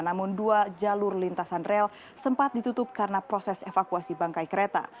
namun dua jalur lintasan rel sempat ditutup karena proses evakuasi bangkai kereta